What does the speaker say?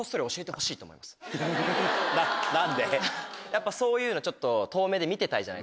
やっぱそういうのちょっと。